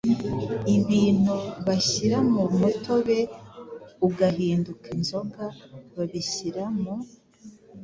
Ibintu bashyira mu mutobe ugahinduka inzoga, babishyira mu